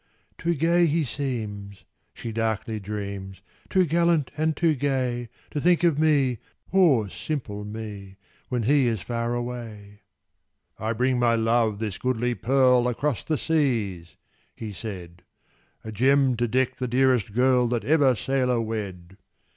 "Too gay he seems," she darkly dreams, "Too gallant and too gay, To think of me poor simple me When he is far away!" "I bring my Love this goodly pearl Across the seas," he said: "A gem to deck the dearest girl That ever sailor wed!"